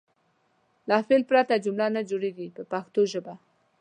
له فعل پرته جمله نه جوړیږي په پښتو ژبه.